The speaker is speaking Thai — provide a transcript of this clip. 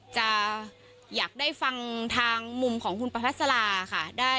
จะอยากได้ฟังทางมุมของคุณประพัสลาค่ะ